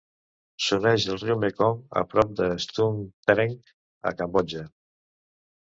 S'uneix al riu Mekong a prop de Stung Treng, a Cambodja.